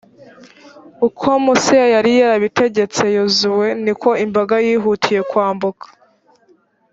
uko musa yari yarabitegetse yozuwe. niko imbaga yihutiye kwambuka.